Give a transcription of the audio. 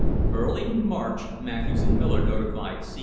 Early in March Matthews and Miller notified C.